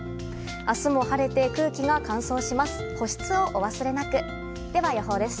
明日も晴れて空気が乾燥します。